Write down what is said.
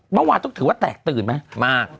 เมื่อวานต้องถือว่าแตกตื่นไหมมาก